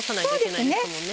そうですね。